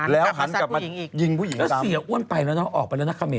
แล้วหันกลับมายิงผู้หญิงตาม